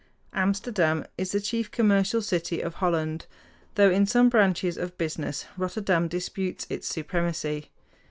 Amsterdam is the chief commercial city of Holland; though in some branches of business Rotterdam disputes its supremacy.